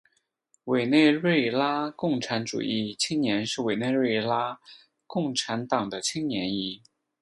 委内瑞拉共产主义青年是委内瑞拉共产党的青年翼。